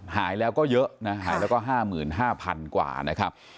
หายแล้วก็เยอะนะหายแล้วก็๕๕๐๐๐กว่านะครับ